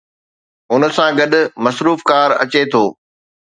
ان سان گڏ "مصروف ڪار" اچي ٿو.